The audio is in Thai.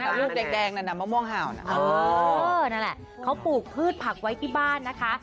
น้ำลูกเด็กแดงน้ำมะม่วงห่าวน่ะเออนั่นแหละเขาปลูกพืชผักไว้ที่บ้านนะคะ